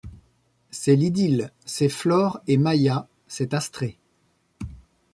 C'est l'idylle, c'est Flore et Maïa, c'est Astrée